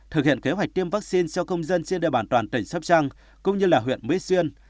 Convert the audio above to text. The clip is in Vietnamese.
thực hiện kế hoạch tiêm vaccine cho công dân trên đề bản toàn tỉnh sopchang cũng như là huyện mỹ xuyên